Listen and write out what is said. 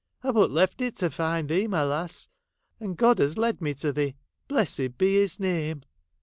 I but left it to find thee, my lass ; and God has led me to thee. Blessed be His name.